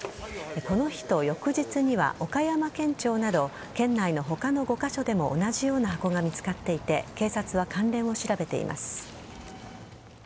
この日と翌日には岡山県庁など県内の他の５カ所でも同じような箱が見つかっていて警察は関連を調べています。